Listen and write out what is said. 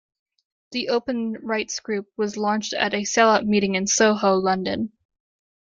The Open Rights Group was launched at a "sell-out" meeting in Soho, London.